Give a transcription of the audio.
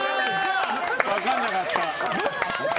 分かんなかった。